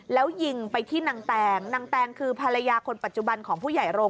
แล้วยิงไปที่นางแตงนางแตงคือภรรยาคนปัจจุบันของผู้ใหญ่โรง